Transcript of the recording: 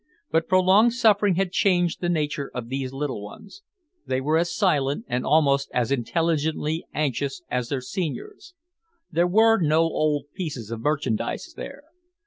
But prolonged suffering had changed the nature of these little ones. They were as silent and almost as intelligently anxious as their seniors. There were no old pieces of merchandise there.